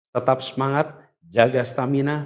tetap semangat jaga stamina